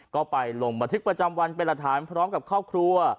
ก็ไปลงบัตรฤกษ์ประจำวันเป็นระถามพร้อมกับครอบครัว